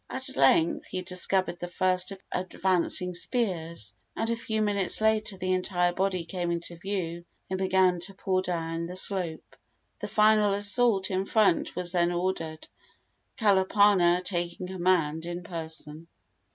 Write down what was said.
At length he discovered the first of its advancing spears, and a few minutes later the entire body came into view and began to pour down the slope. The final assault in front was then ordered, Kalapana taking command in person.